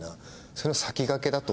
それの先駆けだと。